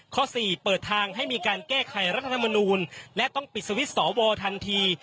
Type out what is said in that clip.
๔เปิดทางให้มีการแก้ไขรัฐธรรมนูลและต้องปิดสวิตช์สอวอทันที